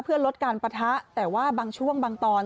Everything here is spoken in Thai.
เพื่อลดการปะทะแต่ว่าบางช่วงบางตอน